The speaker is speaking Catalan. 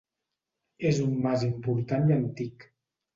És un mas important i antic.